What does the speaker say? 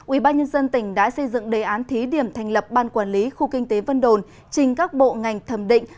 ubnd tỉnh đã xây dựng đề án thí điểm thành lập ban quản lý khu kinh tế vân đồn trình các bộ ngành thẩm định